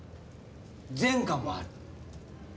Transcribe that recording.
前科もある。